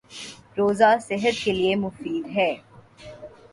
روزہ صحت کے لیے مفید ہے